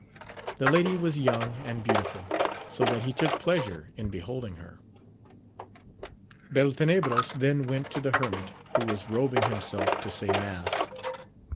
The lady was young and beau tiful, so that he took pleasure in beholding her. Beltenebros then went to the hermit, who was robing himself to say mass.